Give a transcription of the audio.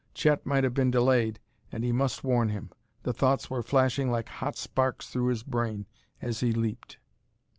Chet might have been delayed, and he must warn him.... The thoughts were flashing like hot sparks through his brain as he leaped.